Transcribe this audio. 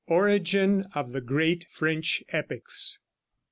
ORIGIN OF THE GREAT FRENCH EPICS.